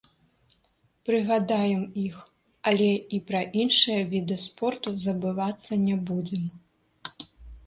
Прыгадаем іх, але і пра іншыя віды спорту забывацца не будзем.